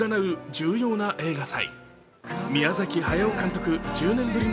重要な映画祭。